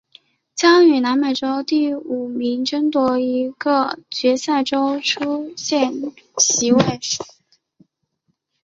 将与南美洲第五名争夺一个决赛周出线席位。